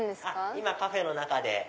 今カフェの中で。